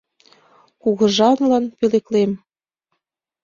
Кугыжалан пӧлеклем».